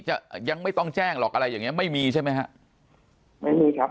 จะยังไม่ต้องแจ้งหรอกอะไรอย่างเงี้ไม่มีใช่ไหมฮะไม่มีครับ